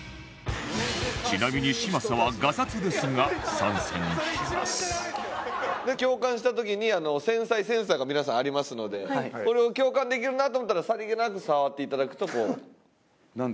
ちなみに嶋佐は共感した時に繊細センサーが皆さんありますのでこれを共感できるなと思ったらさりげなく触っていただくとこうちょっと光りますんで。